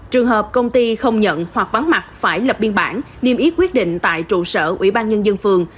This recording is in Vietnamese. trường hợp công ty không nhận hoặc vắng mặt phải lập biên bản niêm yết quyết định tại trụ sở ủy ban nhân dân phường